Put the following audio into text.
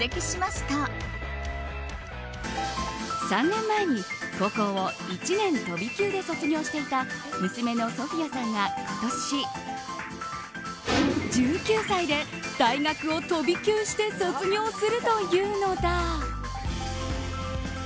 ３年前に、高校を１年飛び級で卒業していた娘のソフィアさんが今年１９歳で大学を飛び級して卒業するというのだ。